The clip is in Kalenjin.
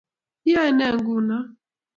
iyoe nee ngunoo?